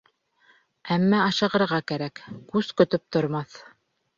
Әммә ашығырға кәрәк, күс көтөп тормаҫ.